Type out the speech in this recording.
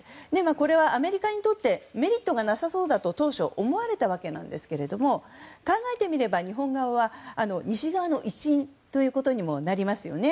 これはアメリカにとってメリットがなさそうだと当初、思われたんですが考えてみれば日本側は西側の一員ということになりますね。